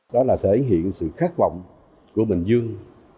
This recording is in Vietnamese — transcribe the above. đó là thể hiện sự khát vọng của bình dương